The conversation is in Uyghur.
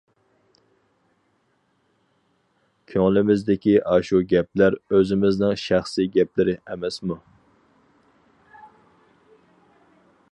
كۆڭلىمىزدىكى ئاشۇ گەپلەر ئۆزىمىزنىڭ شەخسى گەپلىرى ئەمەسمۇ؟ !